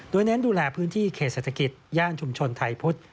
โดยเน้นดูแลพื้นที่เขตเศรษฐกิจย่านชุมชนไทยพุทธ